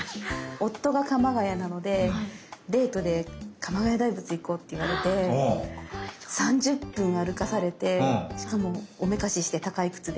夫が鎌ケ谷なのでデートで鎌ヶ谷大仏行こうって言われて３０分歩かされてしかもおめかしして高い靴で。